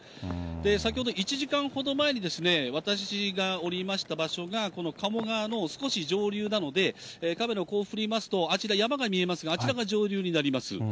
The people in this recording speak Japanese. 先ほど、１時間ほど前に、私が下りました場所が、この加茂川の少し上流なので、カメラをこう振りますと、あちら、山が見えますが、あちらが上流になります。